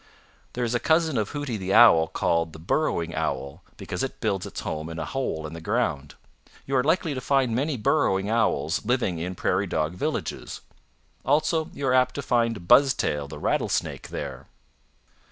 There is a cousin of Hooty the Owl called the Burrowing Owl because it builds its home in a hole in the ground. You are likely to find many Burrowing Owls living in Prairie Dog villages. Also you are apt to find Buzztail the Rattlesnake there.